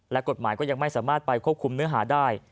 และกฎหมายก็ยังไม่สามารถไปควบคุมเนื้อหาได้